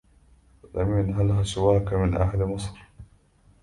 لم ينلها سواك من أهل مصر